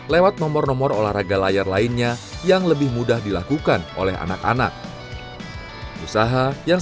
lewat nomor nomor olahraga layar lainnya yang lebih mudah dilakukan oleh anak anak usaha yang